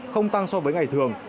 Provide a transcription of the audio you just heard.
không tăng so với ngày thường